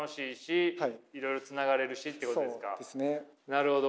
なるほど。